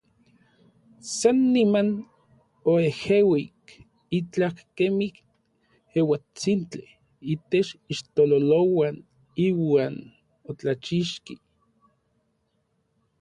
San niman oejeuik itlaj kemij euatsintli itech ixtololouan iuan otlachixki.